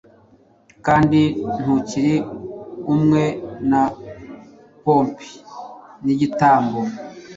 Kandi ntukiri kumwe na Pompi nigitambo